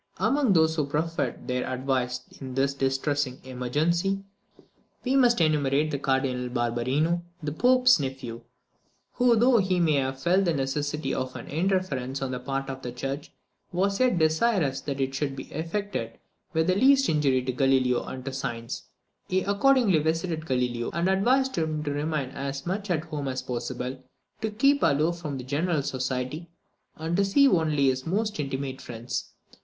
Among those who proffered their advice in this distressing emergency, we must enumerate the Cardinal Barberino, the Pope's nephew, who, though he may have felt the necessity of an interference on the part of the church, was yet desirous that it should be effected with the least injury to Galileo and to science. He accordingly visited Galileo, and advised him to remain as much at home as possible, to keep aloof from general society, and to see only his most intimate friends.